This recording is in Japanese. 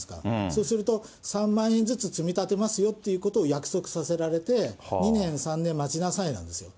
そうすると、３万円ずつ積み立てますよということを約束させられて、２年、３年待ちなさいなんですよ。